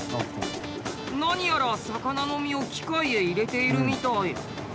何やら魚の身を機械へ入れているみたい。